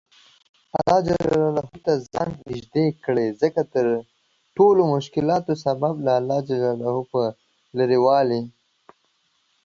الله ته ځان نیژدې کړه ځکه دټولومشکلاتو سبب له الله ج په لرې والي